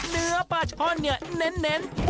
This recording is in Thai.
เนื้อปลาช่อนเน้น